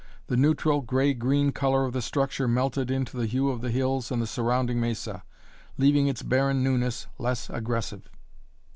The neutral, gray green color of the structure melted into the hue of the hills and the surrounding mesa, leaving its barren newness less aggressive.